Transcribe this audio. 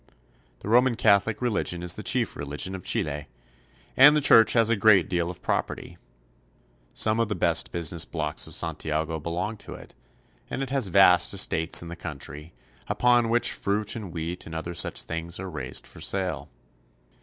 The Roman Catholic religion is the chief religion of Chile, and the church has a great deal of property. Some of the best business blocks of Santiago belong to it, SANTIAGO. 129 and it has vast estates in the country, upon which fruit and wheat and other such things are raised for sale.